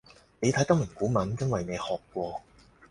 你睇得明古文因為你學過